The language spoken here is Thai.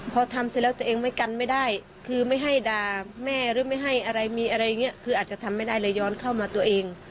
พอทำเสร็จแล้วตัวเองไม่กันไม่ได้คือไม่ให้ด่าแม่หรือไม่ให้อะไรมีอะไรอย่างนี้คืออาจจะทำไม่ได้เลยย้อนเข้ามาตัวเอง